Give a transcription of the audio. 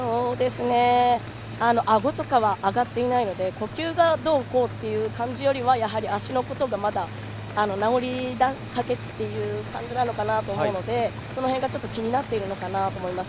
あごとかは上がっていないので呼吸がどうこうという感じよりはやはり足のことがまだ治りかけという感じなのかなと思うのでその辺が気になっているのかなと思います。